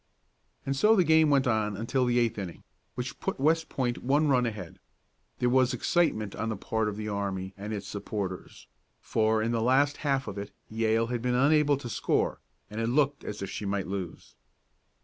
And so the game went on until the eighth inning, which put West Point one run ahead. There was excitement on the part of the army and its supporters, for in the last half of it Yale had been unable to score, and it looked as if she might lose.